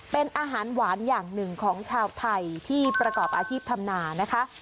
เป็นอาหารหวานอย่างหนึ่งของชาวไทยที่ประกอบอาชีพธรรมนานะคะ